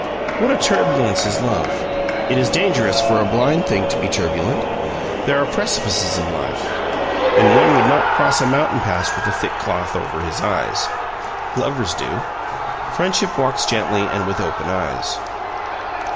What a turbulence is love! It is dangerous for a blind thing to be turbulent; there are precipices in life. One would not cross a mountain pass with a thick cloth over his eyes. Lovers do. Friendship walks gently and with open eyes.